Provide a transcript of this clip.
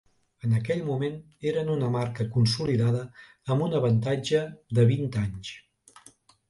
En aquell moment eren una marca consolidada amb un avantatge de vint anys.